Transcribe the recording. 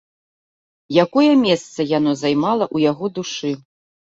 Якое месца яно займала ў яго душы?